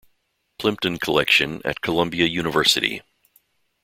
Plimpton Collection at Columbia University.